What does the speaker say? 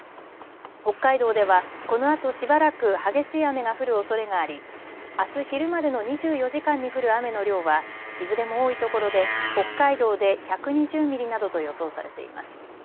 北海道ではこのあとしばらく激しい雨が降るおそれがありあす昼までの２４時間に降る雨の量はいずれも多いところで北海道で１２０ミリなどと予想されています。